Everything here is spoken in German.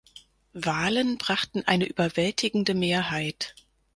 Wahlen brachten eine überwältigende Mehrheit.